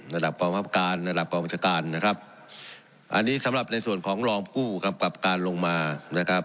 ระดับความภาพการระดับความบริการนะครับอันนี้สำหรับในส่วนของรองผู้กับกรรมการลงมานะครับ